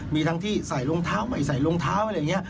มีทั้งที่ใส่รองเท้าใหม่ใส่รองเท้าอะไรอย่างนี้